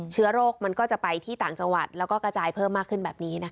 เชื้อโรคมันก็จะไปที่ต่างจังหวัดแล้วก็กระจายเพิ่มมากขึ้นแบบนี้นะคะ